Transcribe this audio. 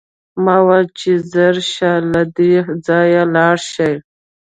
ما وویل چې ژر شئ او له دې ځایه لاړ شئ